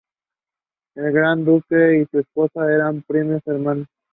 El Gran Duque y su esposa eran primos hermanos.